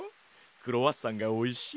クロワッサンがおいしい。